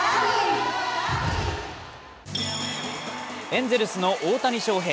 エンゼルスの大谷翔平